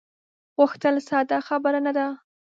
غوښتل ساده خبره نه ده.